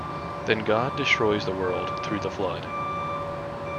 Then God destroys the world through the Flood.